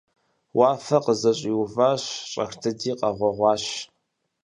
Уафэр къызэщӏиуфащ, щӏэх дыди къэгъуэгъуащ.